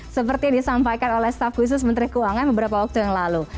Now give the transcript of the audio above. seperti yang disampaikan oleh staf khusus menteri keuangan beberapa waktu yang lalu